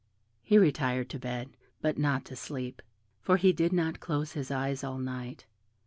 He retired to bed, but not to sleep, for he did not close his eyes all night.